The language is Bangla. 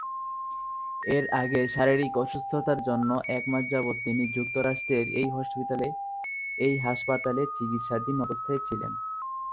এর আগে শারীরিক অসুস্থতার জন্যে একমাস যাবৎ তিনি যুক্তরাষ্ট্রের এই হাসপাতালে চিকিৎসাধীন অবস্থায় ছিলেন।